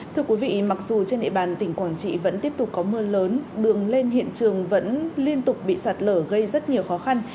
thưa quý vị mặc dù trên địa bàn tỉnh quảng trị vẫn tiếp tục có mưa lớn đường lên hiện trường vẫn liên tục bị sạt lở gây rất nhiều khó khăn